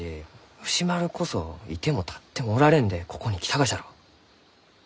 藤丸こそ居ても立ってもおられんでここに来たがじゃろう？